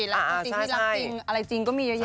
และตัวตีที่รักจริงอะไรจริงก็มีเยอะแยะ